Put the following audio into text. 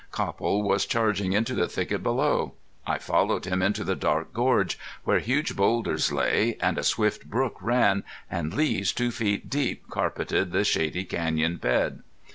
Copple was charging into the thicket below. I followed him into the dark gorge, where huge boulders lay, and a swift brook ran, and leaves two feet deep carpeted the shady canyon bed.